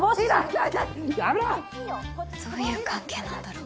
どういう関係なんだろ。